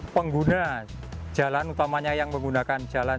pengguna jalan utamanya yang menggunakan jalan